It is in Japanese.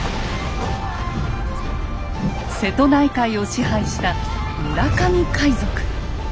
瀬戸内海を支配した村上海賊。